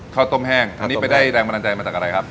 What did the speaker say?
ข้าวต้มแห้งอันนี้ไปได้แรงบันดาลใจมาจากอะไรครับ